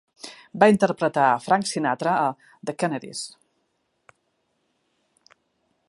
Va interpretar a Frank Sinatra a "The Kennedys".